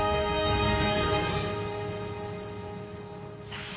さあ